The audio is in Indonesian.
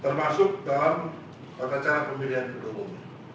termasuk dalam atas cara pemilihan ketua umumnya